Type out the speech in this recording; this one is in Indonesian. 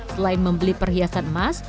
selain membeli perhiasan emas